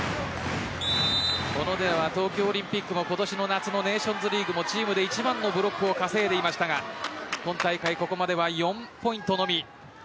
小野寺は東京オリンピックも今年の夏のネーションズリーグもチームで一番のブロックを稼いでいましたが今大会ここまでは４ポイントのみ。